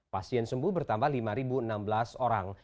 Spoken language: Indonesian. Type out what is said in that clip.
pasien sembuh bertambah lima enam belas orang